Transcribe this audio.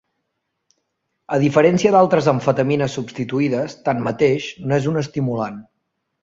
A diferència d'altres amfetamines substituïdes, tanmateix, no és un estimulant.